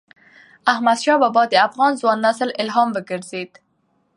احمدشاه بابا د افغان ځوان نسل الهام وګرځيد.